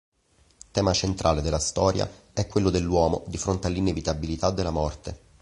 Tema centrale della storia è quello dell'uomo di fronte all'inevitabilità della morte.